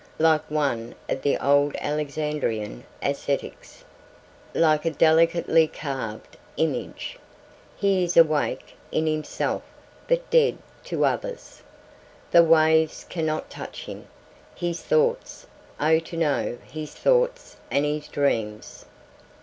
Like one of the old Alexandrian ascetics, like a delicately carved image. He is awake in himself but dead to others. The waves cannot touch him. His thoughts, oh to know his thoughts and his dreams?"